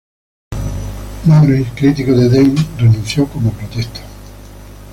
Laurens, crítico de Deane, renunció como protesta.